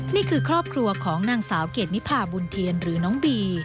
นี่คือครอบครัวของนางสาวเกดนิพาบุญเทียนหรือน้องบี